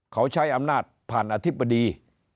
เขาใช้อำนาจผ่านอธิบดี